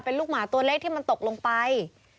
เป็นลูกหมาตัวเล็กที่มันตกลงไป